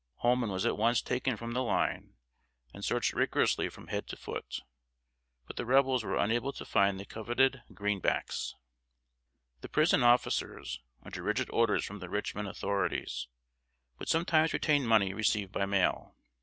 Holman was at once taken from the line and searched rigorously from head to foot, but the Rebels were unable to find the coveted "greenbacks." The prison officers, under rigid orders from the Richmond authorities, would sometimes retain money received by mail.